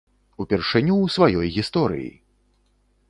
Упершыню ў сваёй гісторыі!